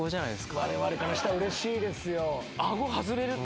われわれからしたらうれしいですよ。